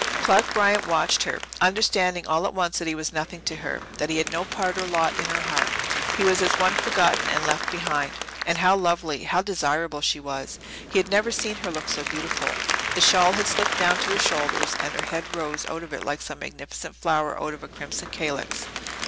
Clark Bryant watched her, understanding all at once that he was nothing to her, that he had no part or lot in her heart. He was as one forgotten and left behind. And how lovely, how desirable she was! He had never seen her look so beautiful. The shawl had slipped down to her shoulders and her head rose out of it like some magnificent flower out of a crimson calyx.